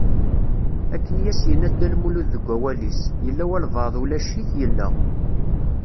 Akken i as-yenna dda Lmulud deg wawal-is: Yella walebɛaḍ ulac-it, yella.